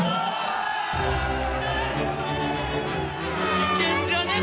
・いけんじゃねえ？